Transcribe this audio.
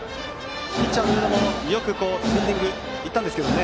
ピッチャーの上田もよくフィールディングに行ったんですけどね。